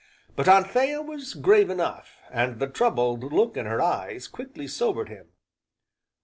But Anthea was grave enough, and the troubled look in her eyes quickly sobered him.